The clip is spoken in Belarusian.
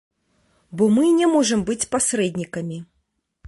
Бо мы не можам быць пасрэднікамі.